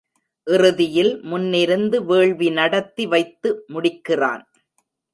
இறுதியில் முன்னிருந்து வேள்வி நடத்தி வைத்து முடிக்கிறான்.